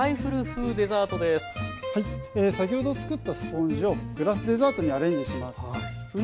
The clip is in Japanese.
先ほど作ったスポンジをグラスデザートにアレンジします。